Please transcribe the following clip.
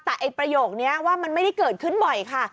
แต่ไอ้ประโยคนี้ว่ามันไม่ได้เกิดขึ้นบ่อยค่ะ